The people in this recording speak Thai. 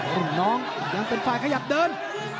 อ๋อคุณน้องยังเป็นฟายขยับเดิน